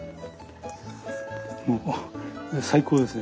もう最高ですね。